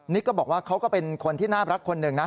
นี่ก็บอกว่าเขาก็เป็นคนที่น่ารักคนหนึ่งนะ